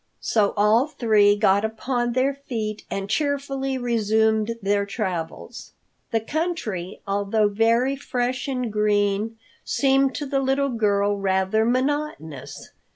So all three got upon their feet and cheerfully resumed their travels. The country, although very fresh and green, seemed to the little girl rather monotonous.